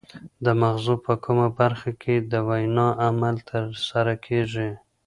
د مغزو په کومه برخه کې د وینا عمل ترسره کیږي